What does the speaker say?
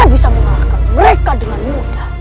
bisa mengalahkan mereka dengan mudah